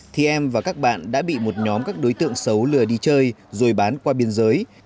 thì em và các bạn đã bị một nhóm các đối tượng xấu lừa đi chơi rồi bán qua biên giới